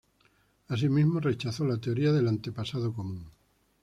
Asimismo, rechazó la teoría del antepasado común.